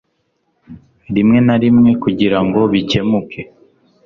rimwe na rimwe kugira ngo bikemuke